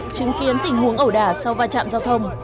chứng kiến tình huống ẩu đả sau va chạm giao thông